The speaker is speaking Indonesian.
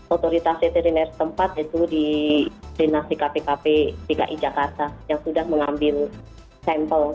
otoritas veteriners tempat itu di dinasi kpkp dki jakarta yang sudah mengambil sampel